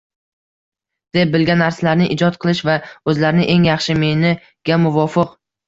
deb bilgan narsalarni ijod qilish va o‘zlarini “eng yaxshi meni” ga muvofiq